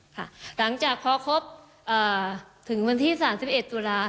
ค่ะหลังจากพอครบถึงวันที่๓๑ตุลา